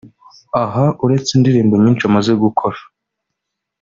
Aha uretse indirimbo nyinshi amaze gukora